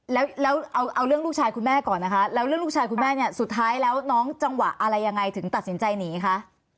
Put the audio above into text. แล้วเอาเรื่องลูกชายคุณแม่ก่อนนะคะแล้วเรื่องลูกชายคุณแม่เนี่ยสุดท้ายแล้วน้องจังหวะอะไรยังไงถึงตัดสินใจหนีคะ